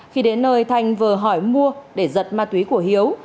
khi đến nơi thanh vừa hỏi mua để giật ma túy của hiếu